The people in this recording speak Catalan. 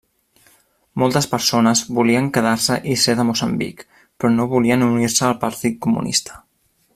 Moltes persones volien quedar-se i ser de Moçambic, però no volien unir-se al partit comunista.